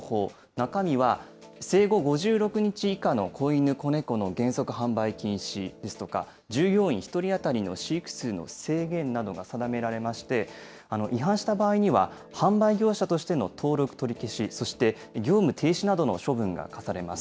中身は、生後５６日以下の子犬、子猫の原則販売禁止ですとか、従業員１人当たりの飼育数の制限などが定められまして、違反した場合には、販売業者としての登録取り消し、そして業務停止などの処分が課されます。